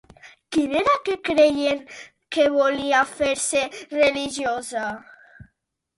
Qui era que creien que volia fer-se religiosa?